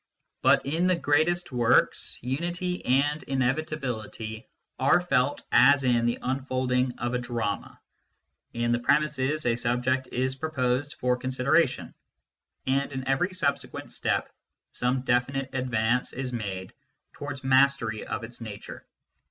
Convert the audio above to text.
But in the greatest works, unity and in evitability are felt as in the unfolding of a drama ; in the premisses a subject is proposed for consideration, and in every subsequent step some definite advance is made towards mastery of its nature.